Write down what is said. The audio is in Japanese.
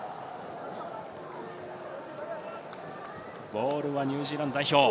ボールはニュージーランド代表。